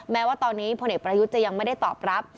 แม้ว่าตอนนี้พลเอกประยุทธ์จะยังไม่ได้ตอบรับ